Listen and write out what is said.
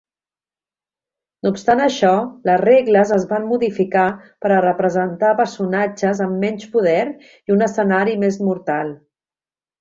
No obstant això, les regles es van modificar per a representar personatges amb menys poder i un escenari més mortal.